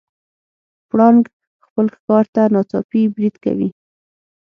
پړانګ خپل ښکار ته ناڅاپي برید کوي.